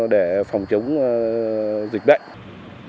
để phòng chống dịch bệnh